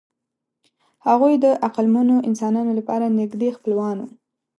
هغوی د عقلمنو انسانانو لپاره نږدې خپلوان وو.